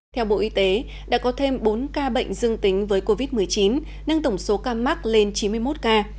theo bộ y tế đã có thêm bốn ca bệnh dương tính với covid một mươi chín nâng tổng số ca mắc lên chín mươi một ca